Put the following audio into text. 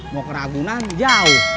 mau ke ragunan jauh